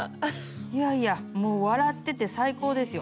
いやいやもう笑ってて最高ですよ。